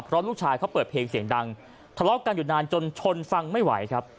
เพราะลูกชายเขาเปิดเพลงเสียงดังทะเลาะกันอยู่นานจนชนฟังไม่ไหวครับ